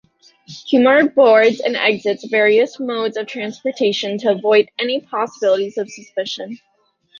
Kumar boards and exits various modes of transportation to avoid any possibilities of suspicion.